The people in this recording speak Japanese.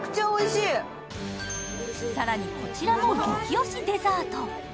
更に、こちらも激推しデザート。